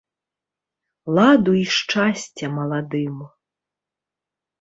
Ладу й шчасця маладым!